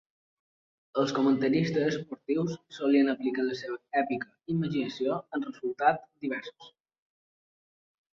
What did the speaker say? Els comentaristes esportius solien aplicar la seva èpica imaginació amb resultats diversos.